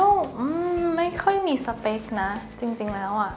อืมไม่ค่อยมีสเปคนะจริงแล้วอ่ะ